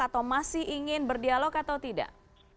atau masih ingin berdialog atau tidak